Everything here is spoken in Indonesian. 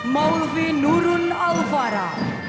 pelulvi nurun alwara